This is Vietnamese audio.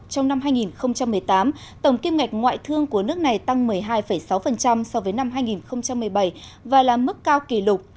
trong năm hai nghìn một mươi tám tổng kim ngạch ngoại thương của nước này tăng một mươi hai sáu so với năm hai nghìn một mươi bảy và là mức cao kỷ lục